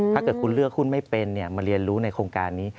ถ้าเกิดคุณเลือกหุ้นไม่เป็นมาเรียนรู้ในโครงการนี้